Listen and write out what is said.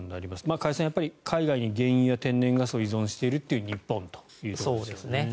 加谷さん、やっぱり海外に原油や天然ガスを依存している日本というところですね。